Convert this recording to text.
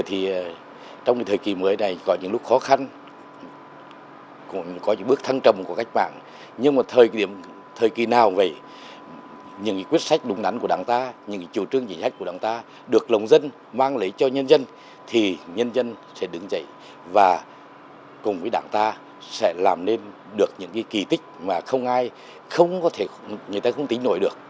trong thời kỳ mới này có những lúc khó khăn có những bước thăng trầm của cách mạng nhưng mà thời kỳ nào vậy những quyết sách đúng đắn của đảng ta những chiều trương chính sách của đảng ta được lòng dân mang lấy cho nhân dân thì nhân dân sẽ đứng dậy và cùng với đảng ta sẽ làm nên được những kỳ tích mà không ai không có thể người ta không tính nổi được